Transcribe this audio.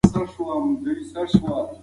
حق او باطل وپیژنئ.